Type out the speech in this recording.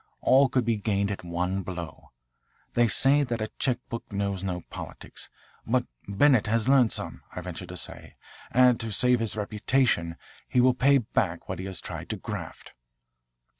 All could be gained at one blow. They say that a check book knows no politics, but Bennett has learned some, I venture to say, and to save his reputation he will pay back what he has tried to graft."